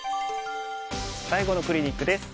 最後のクリニックです。